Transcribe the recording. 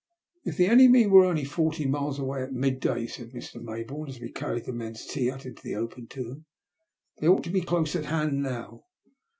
If the enemy were only forty miles away at mid day," said Mr. Maybourne as we carried the men's tea out into the open to them, '' they ought to be close at hand now.